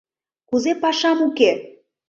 Кузе пашам уке?!